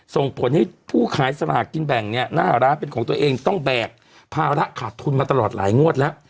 ส่งผลให้ผู้ขายสลากกินแบ่งเนี่ยหน้าร้านเป็นของตัวเองต้องแบกภาระขาดทุนมาตลอดหลายงวดแล้ว